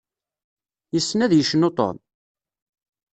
Yessen ad yecnu Ṭum?